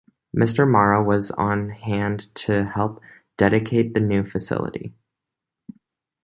Mr. Morrow was on hand to help dedicate the new facility.